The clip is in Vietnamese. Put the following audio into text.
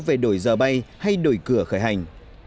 về đổi giờ bay hay đổi cửa khởi hành